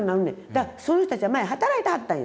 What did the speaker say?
だからそういう人たちは前働いてはったんや。